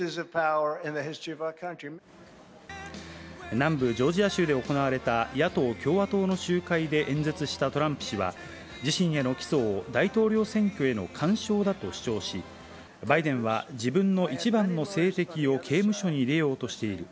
南部ジョージア州で行われた野党・共和党の集会で演説したトランプ氏は自身への起訴を大統領選挙への干渉だと主張しバイデンは自分の一番の政敵を刑務所に入れようとしている。